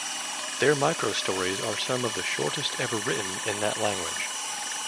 Their microstories are some of the shortest ever written in that language.